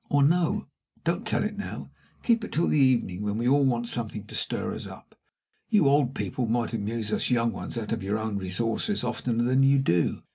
Or, no don't tell it now keep it till the evening, when we all want something to stir us up. You old people might amuse us young ones out of your own resources oftener than you do.